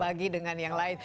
berbagi dengan yang lain